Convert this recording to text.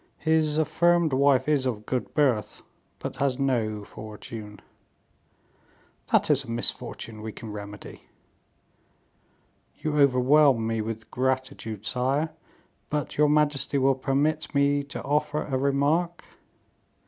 "His affirmed wife is of good birth, but has no fortune." "That is a misfortune we can remedy." "You overwhelm me with gratitude, sire; but your majesty will permit me to offer a remark?"